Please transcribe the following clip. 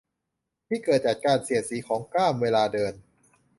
ที่เกิดจากการเสียดสีของก้ามเวลาเดิน